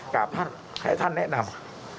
กราบท่านให้ท่านแนะนำ